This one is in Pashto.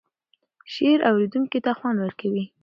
شعر اوریدونکی ته خوند ورکوي.